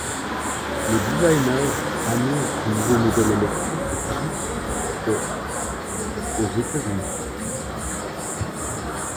Le designer annonce son nouveau modèle électrique au tarif de aux États-Unis.